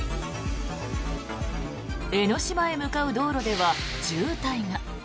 江の島へ向かう道路では渋滞が。